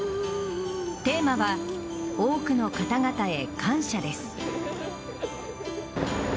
テーマは「多くの方々へ感謝」です。